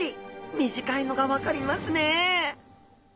短いのが分かりますね？